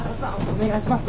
お願いします。